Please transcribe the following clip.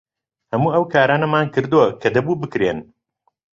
هەموو ئەو کارانەمان کردووە کە دەبوو بکرێن.